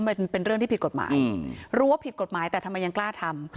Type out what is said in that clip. มันเป็นเรื่องที่ผิดกฎหมายรู้ว่าผิดกฎหมายแต่ทำไมยังกล้าทำ